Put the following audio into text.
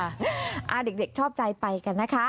เด็กชอบใจไปกันนะคะ